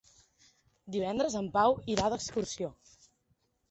Divendres en Pau irà d'excursió.